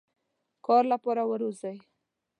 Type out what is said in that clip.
کار لپاره وروزی.